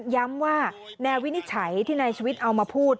ย้ำว่าแนววินิจฉัยที่นายชวิตเอามาพูด